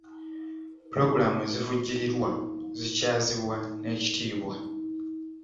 Pulogulaamu ezivujjirirwa zikyazibwa n'ekitiibwa.